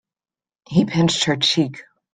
He pinched her cheek.